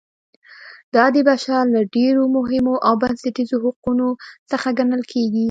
دا د بشر له ډېرو مهمو او بنسټیزو حقونو څخه ګڼل کیږي.